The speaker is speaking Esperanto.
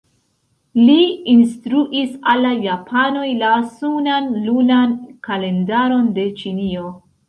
Li instruis al la japanoj la sunan-lunan kalendaron de Ĉinio.